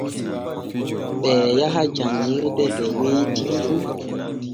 Ɓee yaha janŋirde de weyti fu.